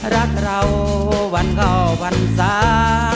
รักเราวันเข้าวันสา